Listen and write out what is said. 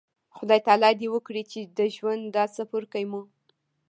خدای تعالی د وکړي چې د ژوند دا څپرکی مو